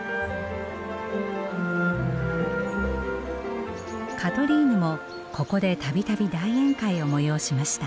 カトリーヌもここで度々大宴会を催しました。